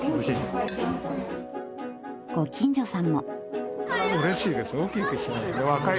［ご近所さんも］